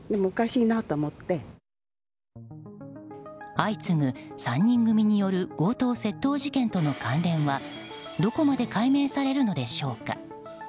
相次ぐ３人組による強盗・窃盗事件との関連はどこまで解明されるのでしょうか。